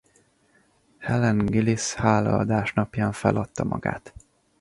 Helen Gillis hálaadás napján feladta magát.